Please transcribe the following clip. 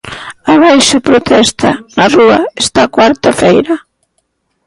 Abaixo, protesta na rúa esta cuarta feira.